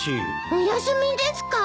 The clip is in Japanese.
お休みですか！？